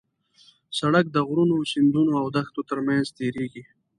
سړک د غرونو، سیندونو او دښتو ترمنځ تېرېږي.